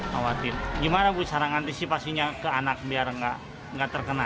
khawatir gimana bu cara mengantisipasinya ke anak biar nggak terkena